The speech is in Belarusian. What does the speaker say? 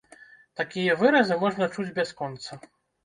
Такія выразы можна чуць бясконца.